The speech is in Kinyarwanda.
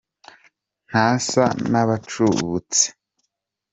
Ntasa n’abacubutse